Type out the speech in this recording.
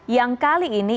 yang kali ini